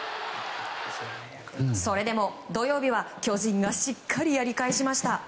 それでも土曜日は巨人がしっかりやり返しました。